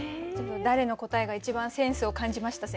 誰の答えが一番センスを感じました？